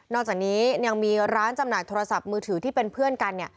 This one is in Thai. อกจากนี้ยังมีร้านจำหน่ายโทรศัพท์มือถือที่เป็นเพื่อนกัน